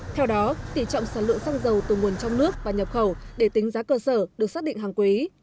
theo đó tỷ trọng sản lượng xăng dầu từ nguồn trong nước và nhập khẩu để tính giá cơ sở được xác định hàng quý